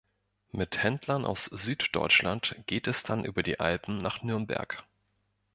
Mit Händlern aus Süddeutschland geht es dann über die Alpen nach Nürnberg.